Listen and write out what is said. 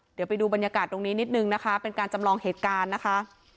เดี๋ยวไปดูบรรยากาศตรงนี้นิดนึงนะคะเป็นการจำลองเหตุการณ์นะคะ